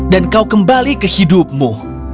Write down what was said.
dan kau kembali ke hidupmu